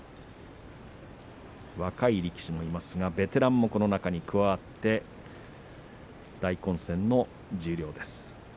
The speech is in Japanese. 若い力士もいますけどもベテランもこの中に加わって大混戦の十両です。